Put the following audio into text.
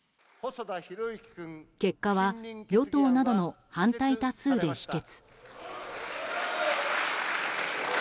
結果は与党などの反対多数で否決。